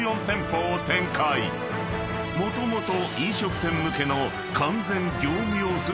［もともと］